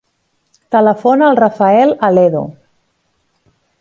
Telefona al Rafael Aledo.